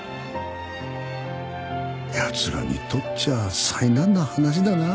やつらにとっちゃあ災難な話だな。